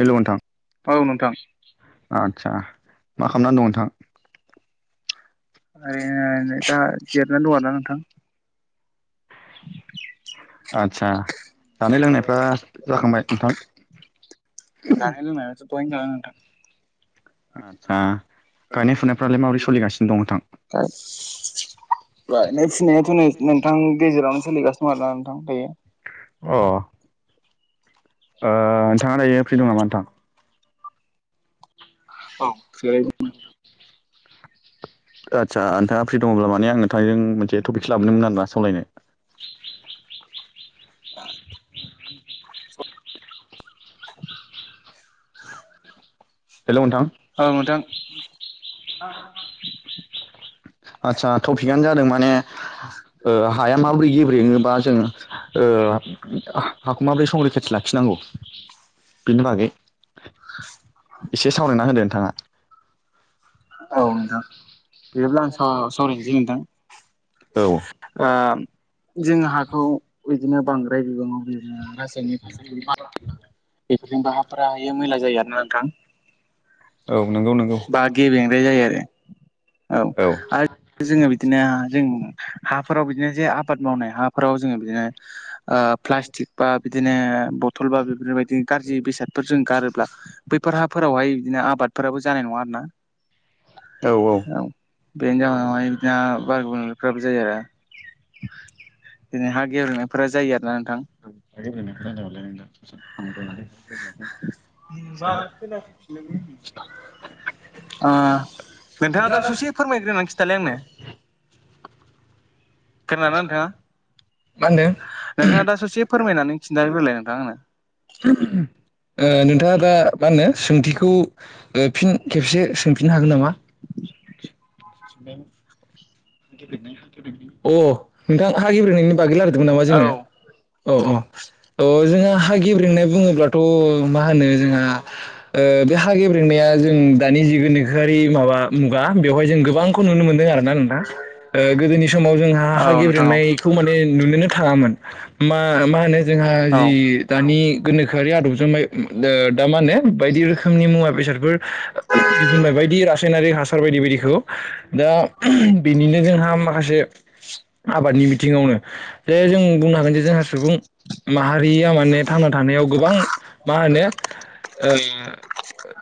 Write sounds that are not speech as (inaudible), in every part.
Hello नोंथां औ नोंथां। आदसा मा खालामनानै दं नोंथां? ओरैनो दा जिरायनानै दङ ना नोंथां। आदसा जानाय लोंनायफ्रा जाखांबाय? नोंथां जानाय लोंनायासो (unintelligible) नोंथां आदसा गायनाय फुनायफोरालाय माबोरै सलिगासिनो दं नोंथां? गायनाय फुनायाथ नो-नोंथां गेजेरावनो सोलिगासिनो दङ आरोना नोंथां दायो। अ ओ नोंथाङा दायो फ्रि दं नामा नोंथां? औ (unintelligible) आदसा नोंथाङा फ्रि दङब्ला माने आं नोंथांजों मोनसे टपिक लाबोनदोंमोन आरोना सावरायनो। हेलौ नोंथां। आ आदसा टपिकआनो जादों माने ओ हाया माबोरै गेब्रेङोबा जों ओ हाखौ माबोरै संरैखाथि लाखिनांगौ बेनि बागै एसे सावरायना होदो नोंथाङा। औ नोंथां बिदिब्ला आं सा-सावरायनोसै नोंथां। औ ओ जों हाखौ बिदिनो बांद्राय बिबाङाव बे ओ रायनिक हासार बा बेफोरजोंबो हाफोरा बेयो मैला जायो आरो ना नोंथां। औ नंगौ नंगौ। बेंग्राय जायो आरो औ आरो जोङो बिदिनो जों हाफोराव बिदिनो जे आबाद मावनाय हाफोराव जोङो बिदिनो ओ प्लास्टिक बा बिदिनो बथल बा बेफोरबायदि गाज्रि बेसादफोर जों गारोब्ला बै फोर हाफोरावहाय बिदिनो आबादफोराबो जानाय नङा आरो ना। औ औ। बे जावहाय बिदिनो बार गुबुंनायफ्राबो जायो आरो। दिनै हा गेब्रेंनायफोरा जायो आरो नों (unintelligible) बाथ (unintelligible) ओ नोंथाङा दा ससे फोरमायग्रोनानै खिथालाय आंनो। खोनादोना नोंथाङा नोंथाङा दा ससे फोरमायनानै खिनथाग्रोलाय नोंथां आंनो। ओ ओ नोंथाङा दा मा होनो सोंथिखौ फिन खेबसे सोंफिननो हागोन नामा? (inaudible) अ नोंथां हा गिब्रेनायनि बागै लायरायदोंमोन नामा औ जोङो अ अ। अ जोंहा हा गेब्रेंनाय बुङोब्लाथ मा होनो? जोंहा ओ बे हा गेब्रेंनाया जों दानि जिगोनि दोखोयारि मुगा बेवहाय जों गोबांखौ नुनो मोनदों आरो। ना नोंथां ओ गोदोनि समाव जोंहा औ हा नोंथां औ गेब्रेंनायखौ माने नुनो नो थाङामोन मा मा होनो जोंहा औ जि दानि गोनोखोआरि आदबजों माइ ओ दा माने बायदि रोखोमनि मुवा बेसादफोर दिहुनलायबाय बायदि रासायनारिक हासार बायदि बायदिखौ दा बेनिनो जोंहा माखासे आबादनि बिथिंङावनो जे जों बुंनो हागोन जे जोंहा सुबुं माहारिया माने थांना थानायाव गोबां मा होनो ओ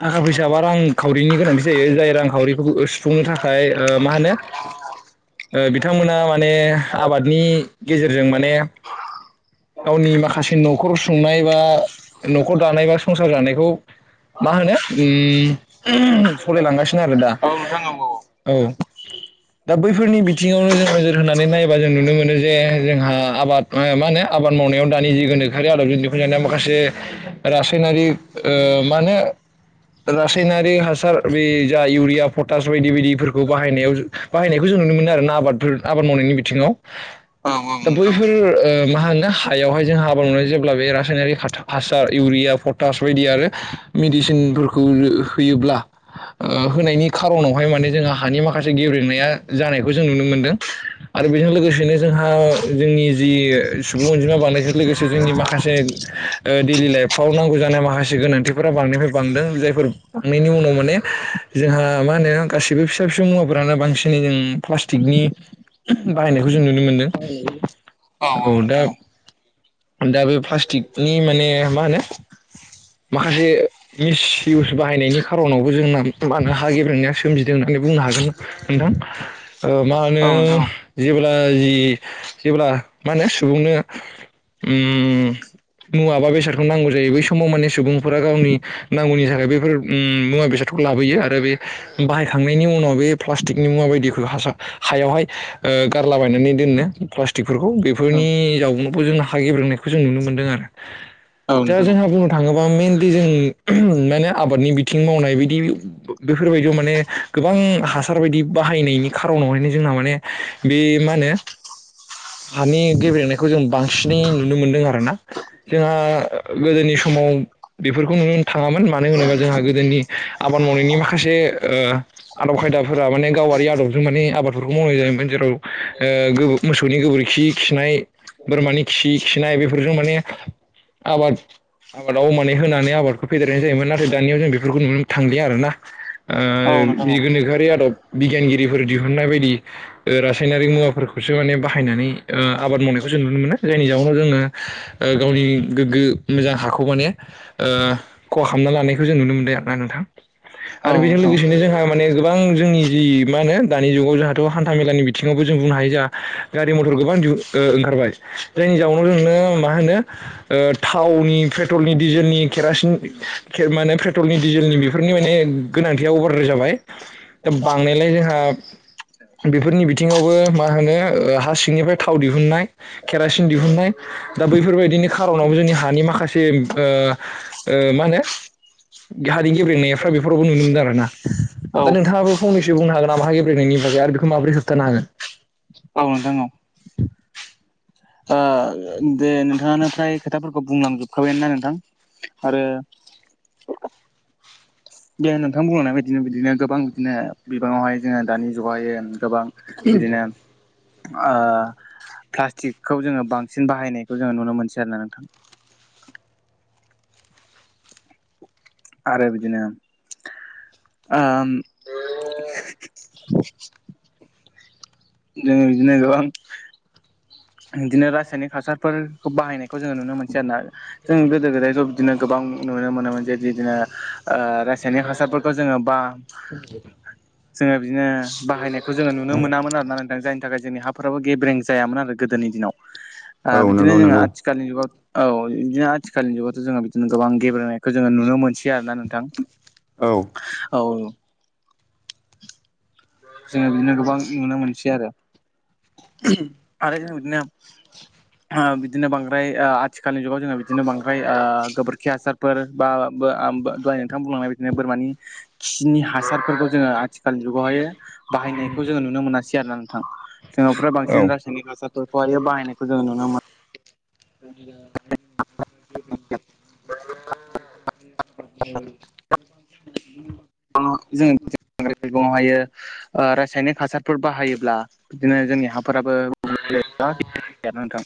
थाखा फैसा बा रांखावरिनि गोनांथि जायो जाय रांखावरिखौ सुफुंनो थाखाय ओ मा होनो ओ बिथांमोना माने आबादनि गेजेरजों माने गावनि माखासे न'खर संनाय बा न'खर दानाय बा संसार जानायखौ मा होनो उम सलिायलांगासिनो आरो दा औ नोंथां औ औ औ दा बैफोरनि बिथिङावनो जों नोजोर होनानै नायोबा जों नुनो मोनो जे जोंहा आबाद मा होनो आबाद मावनायाव दानि जि गोनोखोआरि आदबजों दिखुनजानाया माखासे रासाय नारि ओ माहोनो रासायनारि हासार बे जा इउरिया पटास बायदि बायदिफोर खौ बाहायनायाव बाहायनायखौ जों नुनो मोनो आरोना आबादफोर आबाद मावनायनि बिथिङाव औ औ दा नोंथां औ बैयफोर मा हो हायावहाय जों आबाद मोन जेब्ला बे रनारि हासार इउरिया पटास बायदि आरो मिदि सिनफोरखौ होयोब्ला ओ होनायनि खार'नावहाय माने जोंहा हानि माखासे गेब्रेंनाया जानायखौ जों नुनो मोनदों आरो बेजों लोगोसेनो जोंहा जोंनि जि सुबुं अनजिमा बांनायजों लोगोसे जोंनि माखासे ओ दैडेलि लाइफआव नांगौ जानाय माखासे गोनांथिफोरा बांफ्राय बांदों जायफोर बांनायनि उनाव माने जोंहा मा होनो गासिबो फिसा फिसौ मुवाफ्रानो बांसिनै जों प्लास्टिकनि बाहायनायखौ जों नुनो मोनदों। औ दा दा बे प्लास्टिकनि माने मा होनो माखासे मिस इउस बाहायनायनि खार'नावबो जोंना मानो हा गेब्रेंनाया सोमजिदों होननानै बुंनो हागोन नोंथां ओ मा औ होनो नोंथां औ जेबो जि जेब्ला मा होनो सुबुंनो उम मुवा बा बेसादखौनो नांगौ जायो बै समाव माने सुबुंफोरा गावनि नांगौनि थाखाय बेफोर उम मुवा बेसादखौ लाबोयो आरो बे बाहायखांनायनि उनाव बे प्लास्टिकनि मुवा बायदिखौ हायावहाय ओ गारलाबायनानै दोननो प्लास्टिकफोरखौ बेफोरनि जउखौ जों हा गेब्रेनायखौ जों नुनो मोनदों आरो औ दा नोंथां जोंहा बुंनो थाङोबा मेइेनलि जों माने आबादनि बिथिं मावनाय बिदि बेफोरबायदियाव माने गो गोबां हासार बायदि बाहायनायनि खार'नावहायनो जोंना माने बे मा होनो हानि गेब्लेनायखौ जों बांसिनै नुनो मोनदों आरोना जोंहा गोदोनि समाव बेफोरखौ नुनो थाङामोन मानो होनोबा जोंहा गोदोनि आबाद मावनायनि माखासे ओ आदब खायदाफोरा माने गावारि आदबजों माने आबादफोरखौ मावनाय जायोमोन जेराव ओ मोसौनि गोबोरखि खिनाय बोरमानि खि खिनाय बेफोरजों माने आबाद आबादाव मान होनानै आबादखौ फेदेरनाय जायोमोन नाथाय दानियाव जों बेफोरखौ नुनो थांलिया आरोना। ओ औ औ नोंथां बि औ गोनोखोआरि आदब बिगियानगिरिफोर दिहुननाय बायदि ओ रासायनारिक मुवाफोरखौसो माने बाहायनानै ओ आबाद मावनाय खौ नुनो मोनो जायनि जाउनव जोङो गावनि गोग्गो मोजां खौ माने ओ खहा खालामना लानायखौ जों नुनो मोनदों आरोना नोंथां। औ आरो बेजों नोंथां लोगोसेनो जोंहा माने गोबां जोंनि जि मा होनो दानि जुगाव जोंहाथ' हान्था मेलानि बिथिङावबो जों बुंनो हायो गारि मथर गोबां ओंखारबाय जायनि जाउव जोंनो मा होनो ओ थावनि पेट्रलनि डिजेलनि केरासिन माने पेट्रलनि डिजेलनि बेफोरनि माने गोनांथिया अभारदार जाबाय। दा बांनायलाय जोंहा बेफोरनि बिथिङावबो मा होनो हा सिंनिफ्राय थाव दिहुननाय केरासिन दिहुननाय दा बैफोरबायदिनि खार'नावबो जोंनि हानि माखासे से ओ ओ मा होनो हारि गेब्रेंनायफ्रा बेफोरावबो नुनो मोनदों आरो ना। औ फंनैसो बुंनो हागोन ना हागेब्रेनायनि बागै आरो बेखौ माबोरै होबथानो हागोन। औ नोंथां औ दे नोंथाङा फ्राय खोथाफोरखौ बुंलां जोबखाबायानो ना नोंथां आरो दे नोंथां बुंलांनाय बायदिनो बिदिनो गोबां बिदिनो बिबाङावहाय जोङो दानि जुगावहाय गोबां बिदिनो प्लास्टिकखौ जोङो बांसिन बाहायनायखौ जोङो नुनो मोनसै आरोना नोंथां। (inaudible) आरो बिदिनो ओम औ ए जोङो बिदिनो गोबां बिदिनो रासायनिक हासारफोरखौ बाहायनाय खौ जोङो नुनो मोनसै आरोना। जों गोदो गोदाय ज' बिदिनो गोबां नुनो मोनोमोन जे बिदिनो ओ रासायनिक हासारफोरखौ जोङो बा जोङो बिदिनो बाहायनायखौ जोङो नुनो मोनामोन आरोना नों जायनि थाखाय जोंनि हाफोराबो गेब्रें जायामोन आरो गोदोनि दिनाव। आ औ बिदिनो नंगौ जोङो नंगौ आथिखालनि जुगाव औ बिदिनो आथिखालनि जुगावथ' जोङो बिदिनो गोबां गेब्रेनायखौ जोङो नुनो मोनसै आरो ना नोंथां। औ औ जोङो बिदिनो गोबां नुनो मोनसै आरो। आरो जों बिदिनो ओ बिदिनो बांद्राय ओ आथिखालनि जुगाव जोङो बिदिनो बांद्राय ओ गोबोरखि हासारफोर बा दहाय नोंथां बुंलांनाय बिदिनो बोरमानि खिनि हासारफोरखौ जोङो आथिखाल जुगावहाय बाहायनायखौ जोङो नुनो मोनासै आरोना नोंथां। जोंनाव फ्राय औ बांसिन रासायनारिक हासारफोरखौ बाहायनायखौ जोङो नुनो मोनो। (inaudible) (inaudible) (unintelligible) हायो ओ रास यनिक हासारफोर बाहायोब्ला बिदिनो जोंनि हा फोराबो गुबुंले जागोन आरो नोंथां।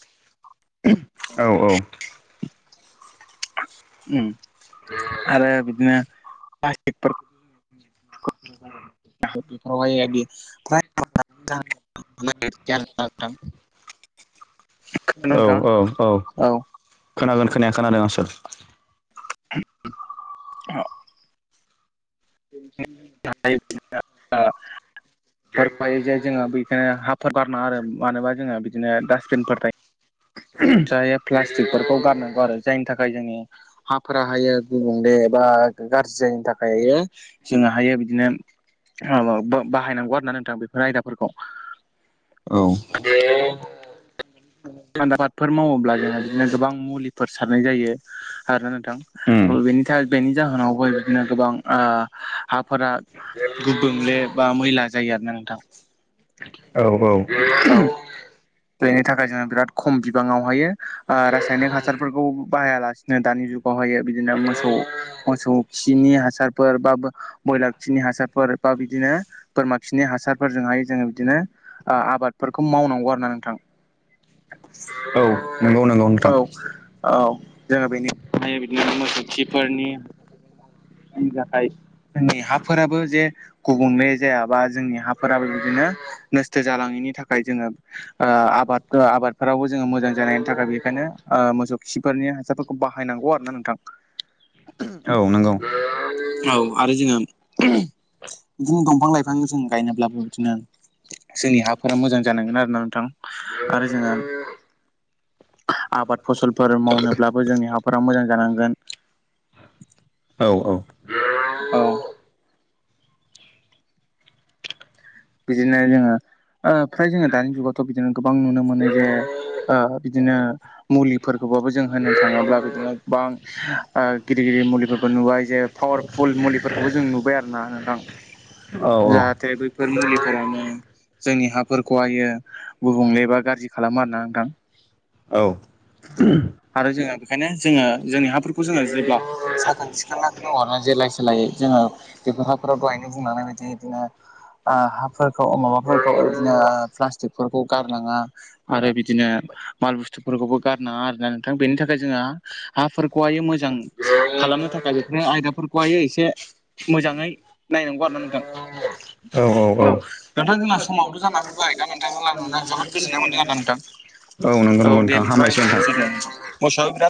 उम आरो बिदिनो (unintelligible) (inaudible) (unintelligible) (unintelligible) औ नोंथां औ औ खोनागोन खोनाया खोनादोंसो औ (unintelligible) फोरफायो जे जोंहा बै बेखायनो हाफोराव गारनाङा आरो माने जोंहा बिदिनो डास्टबिनफोर थायो। प्लास्टिकफोरखौ गारनांगौ आरो जायनि थाखाय जोंनि हाफोराहायो गुबुंले बा गाज्रि जायैनि थाखाय जोङोहायो बिदिनो औ बाहायनांगौ आरो नोंथां बेफोर आयदाफोरखौ। औ आबादफोर मावोब्ला जोंहा बिदिनो गोबां मुलिफोर सारनाय जायो आरोना उम नोंथां। बेनि जा बेनि जाहोनावबो बिदिनो गोबां हाफोरा गुबुंले बा मै ला जायो आरोना नोंथां। औ औ बेनि थाखाय जोङो बिराद खम बिबाङावहायो ओ रासायनिक हासारफोरखौ बाहायालासिनो दानि जुग बहायो। बिदिनो मोसौ मोसौ खिनि हा सारफोर बा ब्रयलार खिनि हासारफोर बा बिदिनो बोरमा खिनि हासारफोरजोंहाय जोङो बिदिनो ओ आबादफोरखौ मावनांगौ आरो ना नोंथां। औ नंगौ नंगौ नोंथां। औ औ जोङो बेनि बिदिनो मोसौ खिफोरनि जोंनि हाफोराबो जे गुबुंले जायाबा जोंनि हाफोराबो बिदिनो नस्थ' जालाङि नि थाखाय जोङो आ आबाद आ आबादफोरावबो जोङो मोजां जानायनि थाखाय ओ बेखायनो मोसौ खि फोरनि हासारफोरखौ बाहायनांगौ आरो ना नोंथां। (inaudible) औ नोंगौ। औ आरो जोंहा बिदिनो दंफां लाइफां जों गायनोब्लाबो बिदिनो जोंनि हाफोरा मोजां जानांगोन आरोना नोंथां आरो जोङो आबाद फसलफोर मावनोब्लाबो जोंनि हाफोरा मोजां जानांगोन (inaudible) औ बिदिनो जोङो ओ फ्राय जोङो दानि जुगावथ' बिदिनो गोबां नुनो मोनो जे ओ बिद दिनो मुलिफोरखौबाबो जों होनो थाङोब्ला बिदिनो गोबां गिदिर गिदिर मुलिफोरबो नुबाय जे पावारफुल मुलिफोरखौबो जों नुबाय आरोोना नोंथां औ जाहाथे बे फोर मुलिफोरानो जोंनि हाफोरखौहायो गुबुंलेबा बा गाज्रि खालामो आरो ना नोंथां औ आरो जोङो बेखायनो जोङो जोंनि हाफोरखौ जोङो जेब्ला साखोन सिखोननानै द हरनानै जेलाय सोलायै जोङो बेब हफोराव दहायनो बुंनानै बायदि बिदिनो ओ हाफोरखौ माबाफोरखौ बिदिनो प्लास्टिकफोरखौ गारनाङा आरो बिदिनो माल बुस्थुफोरखौबो गारनाङा आरोना नोंथां बेनि थाखाय जोङो हाफोरखौहाय मोजां खालाम नो थाखाय बेफोर आयदाफोरखौहाय एसे मोजाङै नायनांगौ आरोना नोंथां (inaudible) औ नोंथां जोंना समावथ' जान फैबाय दा नोंथांमोनला नुना जोबोद गोजोननाय मोनदों आरोदा नोंथां नंगौ औ नंगौ दे नोंथां बिदिबा हामबायसै नोंथां। एसेनोसै दे मोसौआबो बिराद